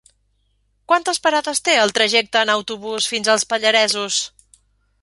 Quantes parades té el trajecte en autobús fins als Pallaresos?